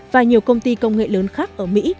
và nhiều công ty công nghệ lớn khác ở mỹ